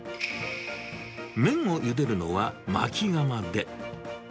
麺をゆでるのはまき釜で。